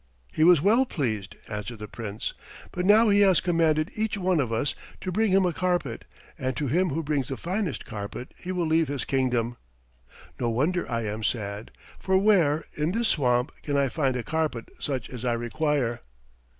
"He was well pleased," answered the Prince; "but now he has commanded each one of us to bring him a carpet, and to him who brings the finest carpet he will leave his kingdom. No wonder I am sad, for where, in this swamp, can I find a carpet such as I require?"